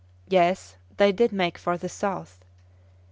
Yes, they did make for the south!